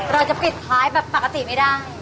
เราจะปิดท้ายแบบปกติไม่ได้